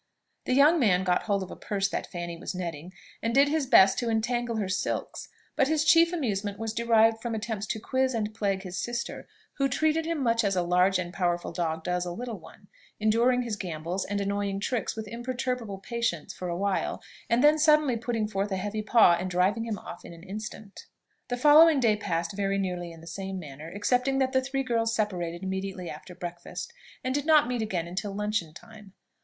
The young man got hold of a purse that Fanny was netting, and did his best to entangle her silks; but his chief amusement was derived from attempts to quiz and plague his sister, who treated him much as a large and powerful dog does a little one, enduring his gambols and annoying tricks with imperturbable patience for a while, and then suddenly putting forth a heavy paw and driving him off in an instant. The following day passed very nearly in the same manner, excepting that the three girls separated immediately after breakfast, and did not meet again till luncheon time.